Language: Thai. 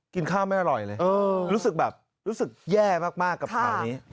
กินข้าวไม่อร่อยเลยรู้สึกแบบรู้สึกแย่มากกับข่าวนี้